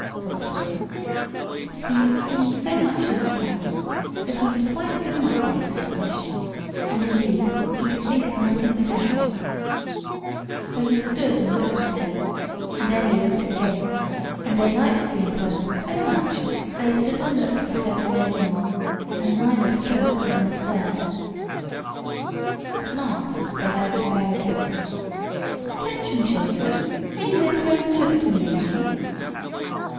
thought Tom; but he had seen so much in his travels that he had quite given up being astonished; and, indeed, he could think of nothing but Ellie. So he stood and looked at Ellie, and Ellie looked at him; and they liked the employment so much that they stood and looked for seven years more, and neither spoke nor stirred. At last they heard the fairy say: "Attention, children. Are you never going to look at me again?"